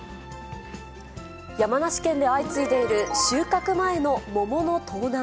山梨県で相次いでいる収穫前の桃の盗難。